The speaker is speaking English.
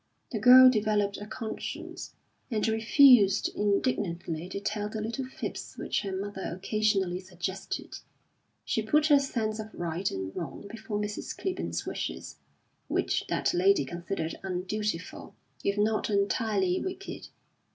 The girl developed a conscience, and refused indignantly to tell the little fibs which her mother occasionally suggested. She put her sense of right and wrong before Mrs. Clibborn's wishes, which that lady considered undutiful, if not entirely wicked.